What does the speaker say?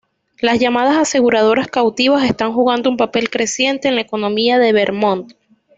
Las llamadas aseguradoras cautivas están jugando un papel creciente en la economía de Vermont.